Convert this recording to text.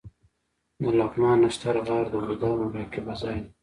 د لغمان نښتر غار د بودا مراقبه ځای دی